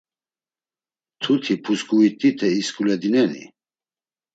Mtuti pusǩuvit̆ite isǩuledineni?